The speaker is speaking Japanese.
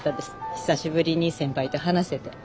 久しぶりに先輩と話せて。